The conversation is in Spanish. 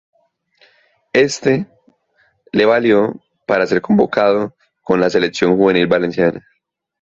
Éste le valió pare ser convocado con la selección juvenil valenciana.